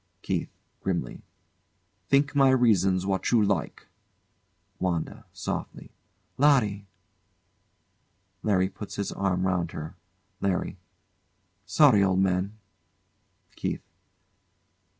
KEITH. [Grimly] Think my reasons what you like. WANDA. [Softly] Larry! [LARRY puts his arm round her.] LARRY. Sorry, old man. KEITH.